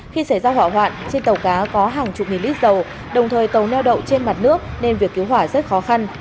khi xảy ra hỏa hoạn trên tàu cá có hàng chục nghìn lít dầu đồng thời tàu neo đậu trên mặt nước nên việc cứu hỏa rất khó khăn